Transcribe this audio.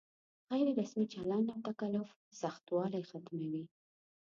غیر رسمي چلن او تکلف سختوالی ختموي.